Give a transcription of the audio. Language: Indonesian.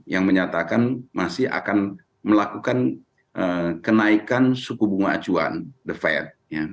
yang menyatakan masih akan melakukan kenaikan suku bunga acuan the fed